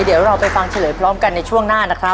เดี๋ยวเราไปฟังเฉลยพร้อมกันในช่วงหน้านะครับ